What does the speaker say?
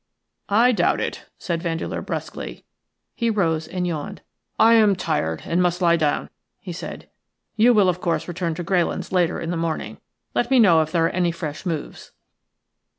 "I doubt it," said Vandeleur, brusquely. He rose and yawned. "I am tired and must lie down," he said. "You will, of course, return to Greylands later in the morning. Let me know if there are any fresh moves."